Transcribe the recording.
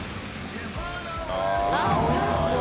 ◆舛叩あっおいしそう！